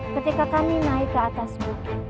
ketika kami naik ke atasmu